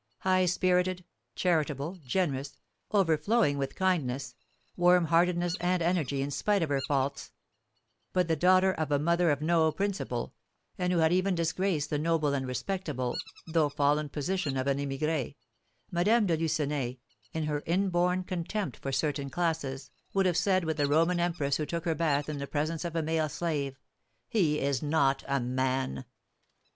High spirited, charitable, generous, overflowing with kindness, warm heartedness, and energy, in spite of her faults, but the daughter of a mother of no principle, and who had even disgraced the noble and respectable, though fallen position of an émigrée, Madame de Lucenay, in her inborn contempt for certain classes, would have said with the Roman empress who took her bath in the presence of a male slave, "He is not a man!"